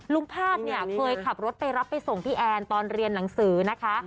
พาดเนี่ยเคยขับรถไปรับไปส่งพี่แอนตอนเรียนหนังสือนะคะ